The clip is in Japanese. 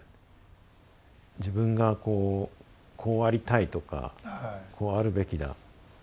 自分がこうこうありたいとかこうあるべきだ。